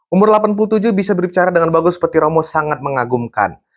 umur delapan puluh tujuh bisa berbicara dengan bagus seperti romo sangat mengagumkan